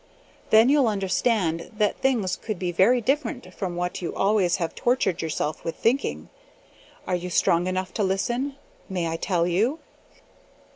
Then you'll understand that things could be very different from what you always have tortured yourself with thinking. Are you strong enough to listen? May I tell you?"